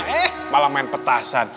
eh malah main petasan